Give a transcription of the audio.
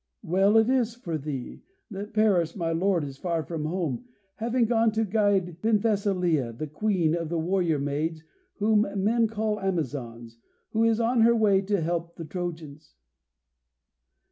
Well it is for thee that Paris, my lord, is far from home, having gone to guide Penthesilea, the Queen of the warrior maids whom men call Amazons, who is on her way to help the Trojans."